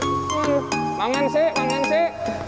hmm manggen sih manggen sih